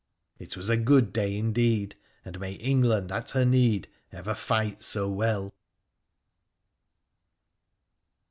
It was a good day indeed, and may Eng land at her need ever fight so well